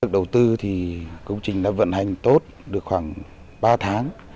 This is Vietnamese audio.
đầu tư thì công trình đã vận hành tốt được khoảng ba tháng